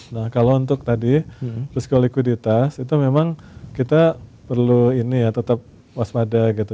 nah kalau untuk tadi psikolog likuiditas itu memang kita perlu ini ya tetap waspada gitu